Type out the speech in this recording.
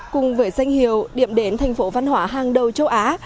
cùng với danh hiệu điểm đến thành phố văn hóa hàng đầu châu á